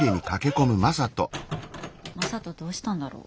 正門どうしたんだろう。